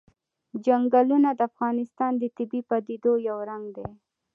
چنګلونه د افغانستان د طبیعي پدیدو یو رنګ دی.